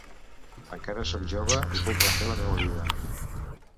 Encara sóc jove i puc refer la meua vida.